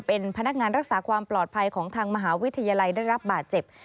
เป็นพนักงานรักษาความปลอดภัยของทางมหาวิทยาลัยได้รับบาดเจ็บ